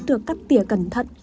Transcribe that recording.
được cắt tỉa cẩn thận